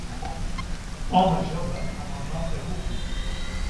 Home jove amb el nom de Guppy!